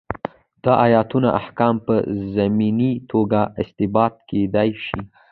دا ایتونه احکام په ضمني توګه استنباط کېدای شي.